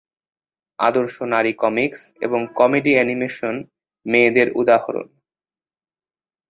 আদর্শ নারী কমিকস এবং কমেডি এনিমেশন মেয়েদের উদাহরণ।